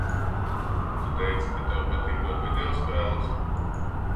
Tu teici, ka tev patīkot video spēles?